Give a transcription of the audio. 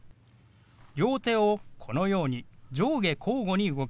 両手をこのように上下交互に動かします。